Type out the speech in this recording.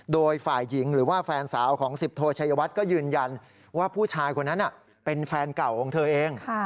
โดยฝ่ายหญิงหรือว่าแฟนสาวของสิบโทชัยวัดก็ยืนยันว่าผู้ชายคนนั้นเป็นแฟนเก่าของเธอเอง